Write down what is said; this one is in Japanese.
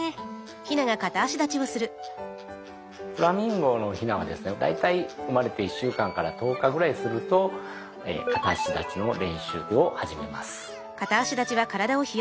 フラミンゴのヒナは大体生まれて１週間から１０日ぐらいすると片足立ちの練習を始めます。